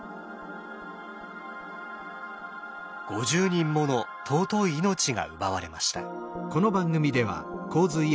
５０人もの尊い命が奪われました。